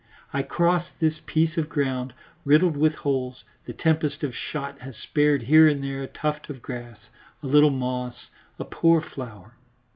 I cross this piece of ground, riddled with holes; the tempest of shot has spared here and there a tuft of grass, a little moss, a poor flower.